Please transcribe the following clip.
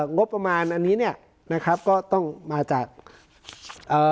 งบประมาณอันนี้เนี้ยนะครับก็ต้องมาจากเอ่อ